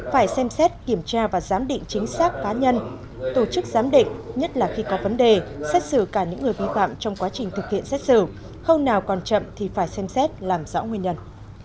phải xem xét kiểm tra và giám định chính xác cá nhân tổ chức giám định nhất là khi có vấn đề xét xử cả những người vi phạm trong quá trình thực hiện xét xử khâu nào còn chậm thì phải xem xét làm rõ nguyên nhân